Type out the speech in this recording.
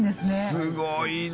すごいな。